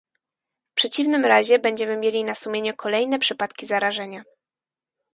W przeciwnym razie będziemy mieli na sumieniu kolejne przypadki zarażenia